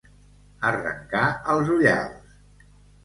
Arrencar els ullals.